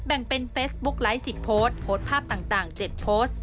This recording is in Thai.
แบ่งเป็นเฟซบุ๊กไลฟ์๑๐โพสต์โพสต์ภาพต่าง๗โพสต์